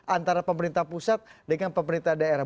antara pemerintah pusat dengan pemerintah daerah